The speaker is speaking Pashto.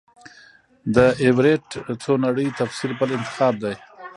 د ایورېټ څو نړۍ تفسیر بل انتخاب دی.